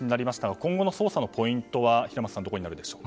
今後の捜査のポイントは平松さんどこになるでしょうか。